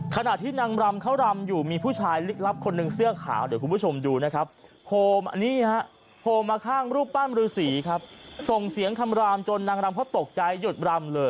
ขณะที่นางรำเขารำอยู่มีผู้ชายลิขลับคนนึงเสื้อขาวเดี๋ยวคุณผู้ชมดูนะครับ